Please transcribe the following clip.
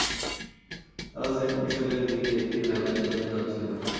তারা সেন্ট মিশেলের দিকে একটি ভেলায় চড়ে যাচ্ছিলো।